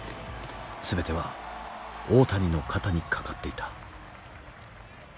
全ては大谷の肩にかかっていた。